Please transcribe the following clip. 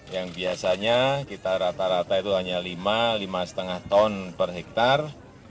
yang biasanya kita rata rata itu hanya lima lima lima ton per hektare